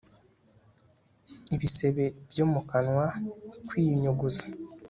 ibisebe byo mu kanwa kwiyunyuguza